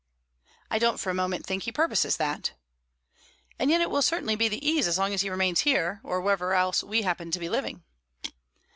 "I don't for a moment think he purposes that." "And yet it will certainly be the ease as long as he remains here or wherever else we happen to be living."